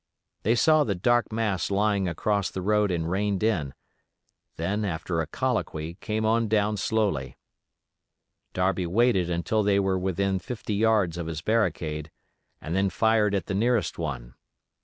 They saw the dark mass lying across the road and reined in; then after a colloquy came on down slowly. Darby waited until they were within fifty yards of his barricade, and then fired at the nearest one.